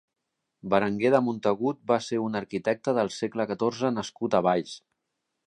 Berenguer de Montagut va ser un arquitecte del segle catorze nascut a Valls.